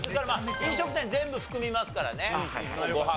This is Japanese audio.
飲食店全部含みますからねご飯関係は。